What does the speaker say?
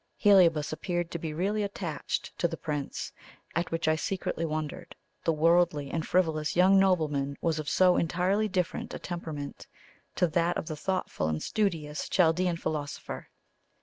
Heliobas appeared to be really attached to the Prince, at which I secretly wondered; the worldly and frivolous young nobleman was of so entirely different a temperament to that of the thoughtful and studious Chaldean philosopher.